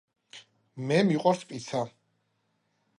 მე მიყვარს პიცა